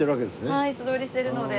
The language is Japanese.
はい素通りしてるので。